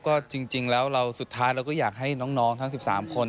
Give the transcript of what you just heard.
ก็จริงแล้วเราสุดท้ายเราก็อยากให้น้องทั้ง๑๓คน